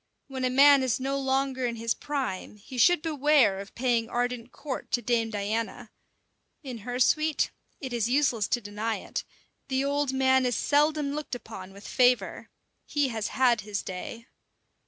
When a man is no longer in his prime, he should beware of paying ardent court to Dame Diana. In her suite it is useless to deny it the old man is seldom looked upon with favour: he has had his day.